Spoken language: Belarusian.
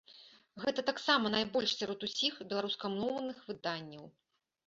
Гэта таксама найбольш сярод усіх беларускамоўных выданняў.